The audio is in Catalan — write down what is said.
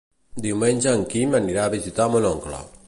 Diumenge en Quim anirà a visitar mon oncle.